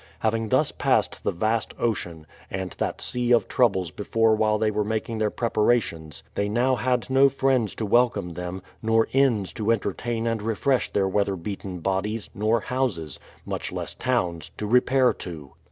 Hav ing thus passed the vast ocean, and that sea of troubles before while they were making their preparations, they now had no friends to welcome them, nor inns to entertain and refresh their weatherbeaten bodies, nor houses — much less towns — to repair to.